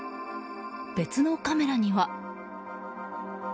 別のカメラには。